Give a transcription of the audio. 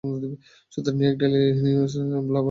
সূত্র New York Daily News, Blabbermouth.